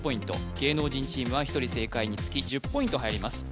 芸能人チームは１人正解につき１０ポイント入ります